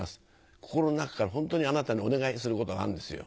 心の中からホントにあなたにお願いすることがあるんですよ。